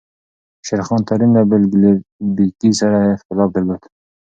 شېرخان ترین له بیګلربیګي سره اختلاف درلود.